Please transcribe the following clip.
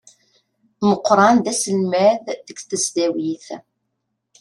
Meqran d aselmad deg tesdawit.